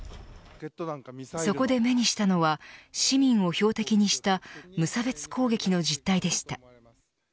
そこで目にしたのは市民を標的にした無差別攻撃の実態でした。